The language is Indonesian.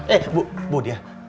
eh bu bu dia